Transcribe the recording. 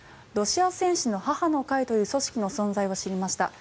ロシア戦士の母の会という組織の存在を知りました。